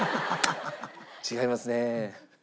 「違いますね」